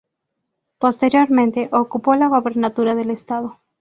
Posteriormente, ocupó la gubernatura del Estado.